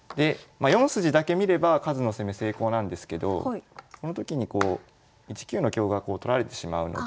４筋だけ見れば数の攻め成功なんですけどこの時にこう１九の香が取られてしまうので。